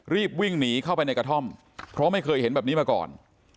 รีบวิ่งหนีเข้าไปในกระท่อมเพราะไม่เคยเห็นแบบนี้มาก่อน